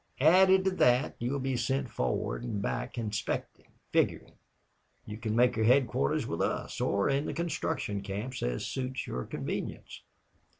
Added to that, you will be sent forward and back, inspecting, figuring. You can make your headquarters with us or in the construction camps, as suits your convenience.